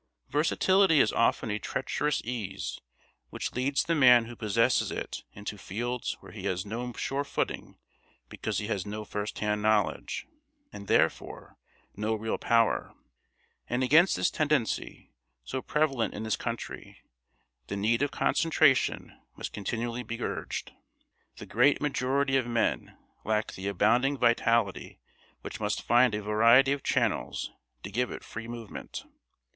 Versatility is often a treacherous ease, which leads the man who possesses it into fields where he has no sure footing because he has no first hand knowledge, and therefore no real power; and against this tendency, so prevalent in this country, the need of concentration must continually be urged. The great majority of men lack the abounding vitality which must find a variety of channels to give it free movement.